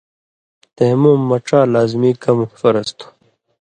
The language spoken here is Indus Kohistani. تیمُوم مہ ڇا لازمی کمہۡ (فرض) تھو